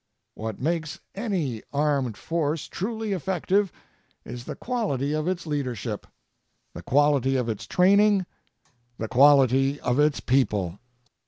What makes any armed force truly effective is the quality of its leadership, the quality of its training, the quality of its people.